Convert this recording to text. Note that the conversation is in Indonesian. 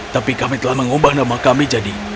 tapi kami telah mengubah nama kami jadi